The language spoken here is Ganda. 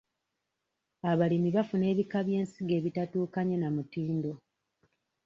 Abalimi bafuna ebika by'ensigo ebitatuukanye na mutindo.